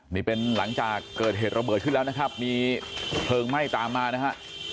นี่เป็นหลังจากเกิดเหตุระเบิดขึ้นแล้วนะครับมีเพลิงไหม้ตามมานะฮะ